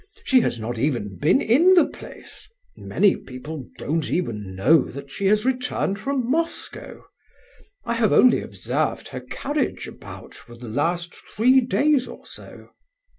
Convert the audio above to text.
She has not even been in the place—many people don't even know that she has returned from Moscow! I have only observed her carriage about for the last three days or so."